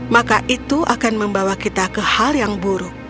maka itu akan membawa kita ke hal yang buruk